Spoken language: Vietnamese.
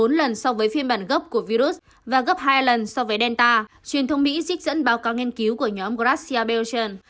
lây nhiễm nhanh hơn gấp bốn lần so với phiên bản gấp của virus và gấp hai lần so với delta truyền thông mỹ dịch dẫn báo cáo nghiên cứu của nhóm garcia belchon